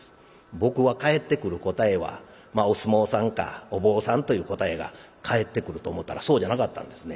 僕は返ってくる答えはまあお相撲さんかお坊さんという答えが返ってくると思ったらそうじゃなかったんですね。